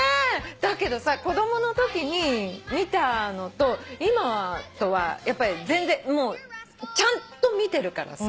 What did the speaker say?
だけどさ子供のときに見たのと今とはやっぱり全然もうちゃんと見てるからさ。